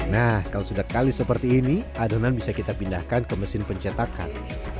nah kalau sudah kali seperti ini adonan bisa kita pindahkan ke mesin pencetakan